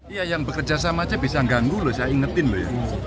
iya yang bekerja sama aja bisa ganggu loh saya ingetin loh ya